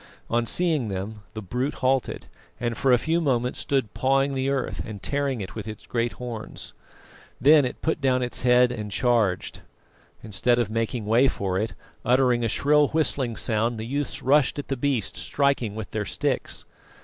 On seeing them the brute halted, and for a few moments stood pawing the earth and tearing it with its great horns. Then it put down its head and charged. Instead of making way for it, uttering a shrill whistling sound, the youths rushed at the beast, striking with their sticks.